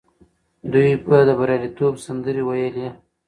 دوی به د بریالیتوب سندرې ویلې.